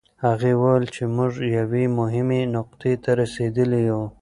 هغې وویل چې موږ یوې مهمې نقطې ته رسېدلي یوو.